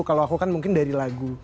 kalau aku kan mungkin dari lagu